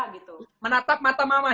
biasa aja lihat aja kang